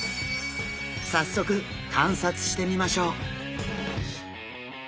早速観察してみましょう。